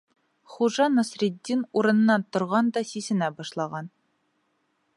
Хужа Насретдин урынынан торған да сисенә башлаған.